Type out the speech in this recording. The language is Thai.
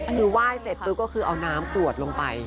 คือไหว้เสร็จปุ๊บก็คือเอาน้ำกรวดลงไป